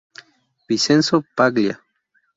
Vincenzo Paglia.